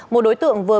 một đối tượng vừa bán